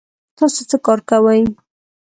تاسو څه کار کوئ؟